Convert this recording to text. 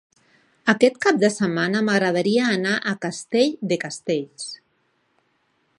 Aquest cap de setmana m'agradaria anar a Castell de Castells.